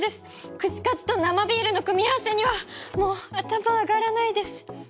串カツと生ビールの組み合わせにはもう頭上がらないです。